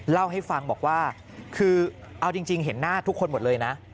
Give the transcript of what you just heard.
เล่าให้ฟังบอกว่าคือเอาจริงเห็นหน้าทุกคนหมดเลยนะ